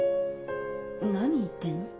何言ってんの？